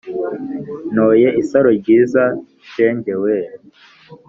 Ntoye isaro ryiza shenge wee!